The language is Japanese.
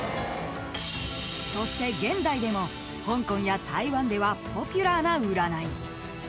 ［そして現代でも香港や台湾ではポピュラーな占い］